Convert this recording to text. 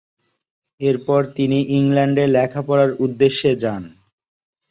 এরপর তিনি ইংল্যান্ডে লেখাপড়ার উদ্দেশ্যে যান।